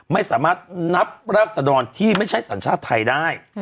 ไม่สามารถนับราษดรที่ไม่ใช่สัญชาติไทยได้